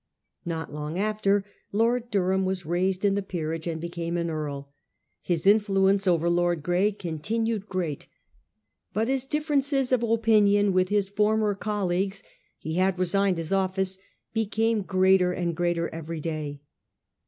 Not long after Lord Durham was raised in the peerage and became an earl. His influence over Lord Grey continued great, but his differences of opi nion with his former colleagues — he had resigned his office — became greater and greater every day.